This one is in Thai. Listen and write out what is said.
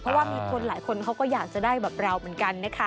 เพราะว่ามีคนหลายคนเขาก็อยากจะได้แบบเราเหมือนกันนะคะ